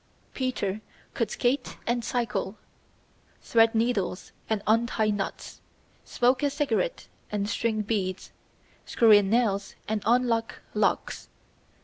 Peter could skate and cycle, thread needles and untie knots, smoke a cigarette and string beads, screw in nails and unlock locks.